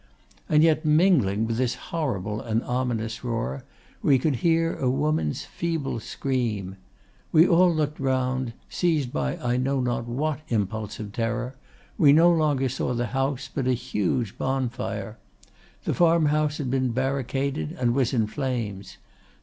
And yet, mingling with this horrible and ominous roar, we could hear a woman's feeble scream. We all looked round, seized by I know not what impulse of terror; we no longer saw the house, but a huge bonfire. The farmhouse had been barricaded, and was in flames.